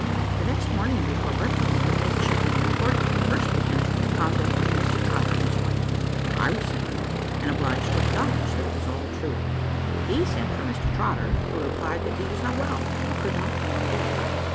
The next morning before breakfast, the midshipman reported to the first lieutenant the conduct of Mr Trotter and his wife. I was sent for, and obliged to acknowledge that it was all true. He sent for Mr Trotter, who replied that he was not well, and could not come on deck.